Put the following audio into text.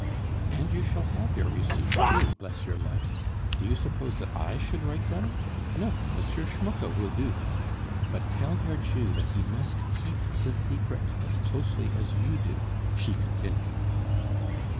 "And you shall have your receipt too, bless your life! Do you suppose that I should write them? No, M. Schmucke will do that. But tell your Jew that he must keep the secret as closely as you do," she continued.